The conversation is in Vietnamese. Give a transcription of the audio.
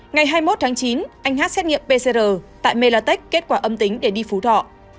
ngày hai mươi một tháng chín anh hát xét nghiệm pcr tại melatech kết quả âm tính để đi phú thọ